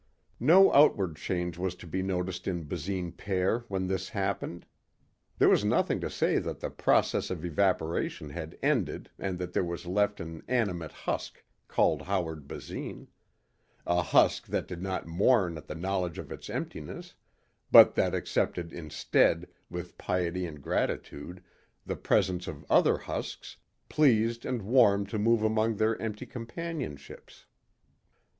No outward change was to be noticed in Basine père when this happened. There was nothing to say that the process of evaporation had ended and that there was left an animate husk called Howard Basine; a husk that did not mourn at the knowledge of its emptiness but that accepted instead with piety and gratitude the presence of other husks, pleased and warmed to move among their empty companionships.